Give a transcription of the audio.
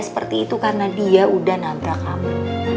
seperti itu karena dia udah nabrak kamu